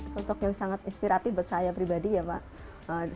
sosoknya sangat inspiratif buat saya pribadi ya pak